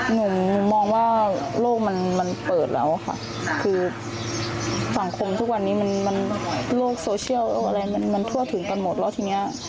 หนูมองว่าโลกมันมันเปิดแล้วค่ะคือสังคมทุกวันนี้มันโลกโซเชียลอะไรมันทั่วถึงกันหมดแล้วทีนี้